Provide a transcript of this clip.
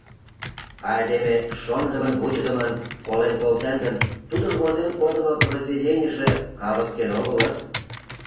Айдеме шоныдымын-вучыдымын колен колтен гын, тудын возен кодымо произведенийже «кавыскен» огылыс.